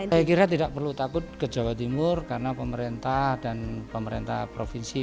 saya kira tidak perlu takut ke jawa timur karena pemerintah dan pemerintah provinsi